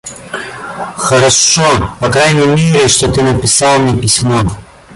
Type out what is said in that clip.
Хорошо, по крайней мере, что ты написал мне письмо.